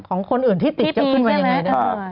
ของคนอื่นที่ติดจะขึ้นมายังไง